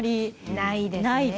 ないですね。